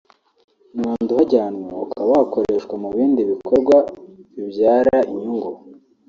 umwanda uhajyanwa ukaba wakoreshwa mu bindi bikorwa bibyara inyungu